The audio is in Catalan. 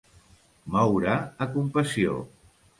Moure a compassió.